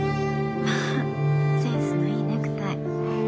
まあセンスのいいネクタイ。